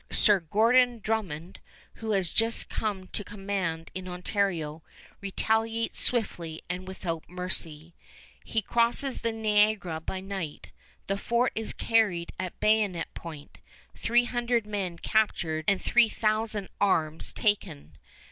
Sir Gordon Drummond, who has just come to command in Ontario, retaliates swiftly and without mercy. He crosses the Niagara by night; the fort is carried at bayonet point, three hundred men captured and three thousand arms taken.